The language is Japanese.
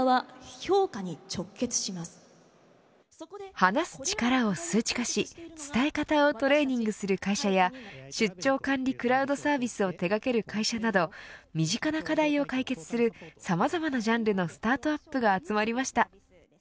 話す力を数値化し伝え方をトレーニングする会社や出張管理クラウドサービスを手掛ける会社など身近な課題を解決するさまざまなジャンルのスタートアップが集まりました。